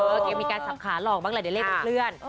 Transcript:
โอเคมีการสับขาหล่องบ้างเลยเดี๋ยวเลขออกเลื่อน